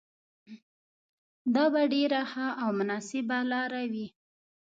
دا به ډېره ښه او مناسبه لاره وي.